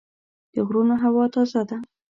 د غرونو هوا تازه ده.